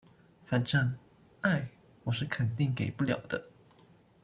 反正，愛，我是肯定給不了的